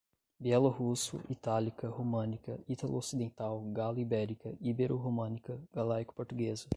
bielorrusso, itálica, românica, ítalo-ocidental, galo-ibérica, ibero-românica, galaico-portuguesa